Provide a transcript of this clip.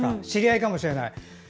知り合いかもしれない。